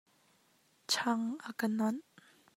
Chang a ka nawnh.